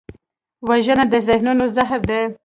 وژنه د ذهنونو زهر دی